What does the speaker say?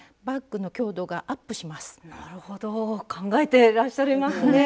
なるほど考えていらっしゃいますね。